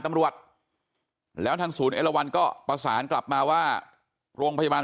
ตำรวจแล้วทางศูนย์เอลวันก็ประสานกลับมาว่าโรงพยาบาล